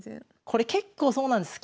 これ結構そうなんです。